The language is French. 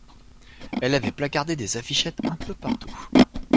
Elle avait placardé des affichettes un peu partout.